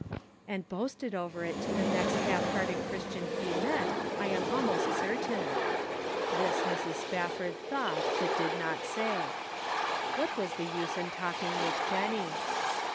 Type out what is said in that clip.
" And boasted over it to the next half hearted Christian he met, I am almost certain." This Mrs. Spafford thought, but did not say. What was the use in talking with Jennie?